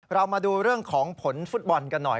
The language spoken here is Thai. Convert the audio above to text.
เรามาดูเรื่องของผลฟุตบอลกันหน่อย